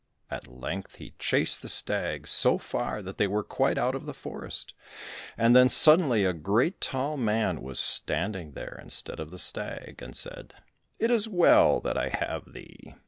At length he chased the stag so far that they were quite out of the forest, and then suddenly a great tall man was standing there instead of the stag, and said, "It is well that I have thee.